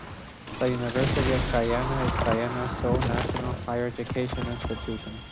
The University of Guyana is Guyana's sole national higher education institution.